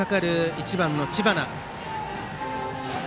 １番の知花。